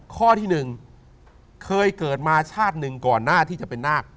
ข้อที่๑เคยเกิดมาชาติหนึ่งก่อนหน้าที่จะเป็นนาค